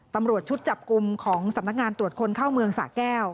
ตำรวจชุดจับกลุ่มของสำนักงานตรวจคนเข้าเมืองสะแก้ว